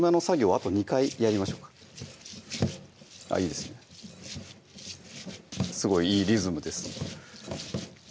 あと２回やりましょうかいいですねすごいいいリズムです